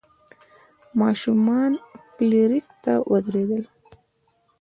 ماشومان فلیریک ته ویرېدل.